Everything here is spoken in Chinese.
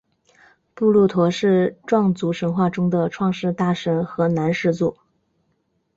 布洛陀是壮族神话中的创世大神和男始祖。